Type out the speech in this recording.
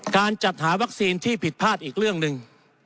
การจัดหาวัคซีนที่ผิดพลาดอีกเรื่องหนึ่ง